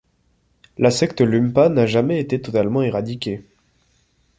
La secte Lumpa n'a jamais été totalement éradiquée.